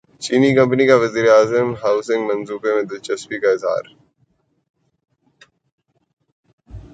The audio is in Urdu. چینی کمپنی کا وزیر اعظم ہاسنگ منصوبے میں دلچسپی کا اظہار